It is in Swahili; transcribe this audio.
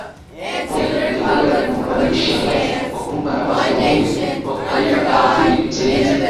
Moi aliendelea kumpandisha ngazi kwa kumpa nafasi ya mbunge wa kitaifa na waziri msaidizi